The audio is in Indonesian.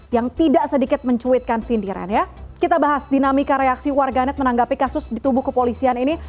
yang tidak sedikit mencuitkan sindiran ya kita bahas dinamika reaksi warganet menanggapi kasus di tubuh kepolisian ini